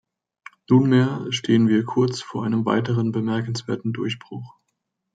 Nunmehr stehen wir kurz vor einem weiteren bemerkenswerten Durchbruch.